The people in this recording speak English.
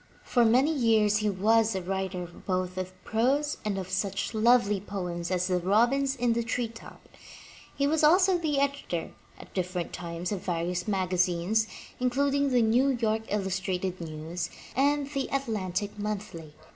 For many years he was a writer both of prose and of such lovely poems as Robins in the Treetop, He was also the editor, at differ ent times, of various magazines, including the New York Illus trated News and the Atlantic Monthly.